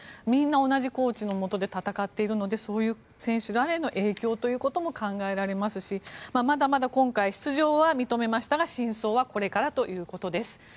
みんな同じコーチのもとで戦っているのでそういう選手らへの影響ということも考えられますし出場は認めましたが真相はこれからということです。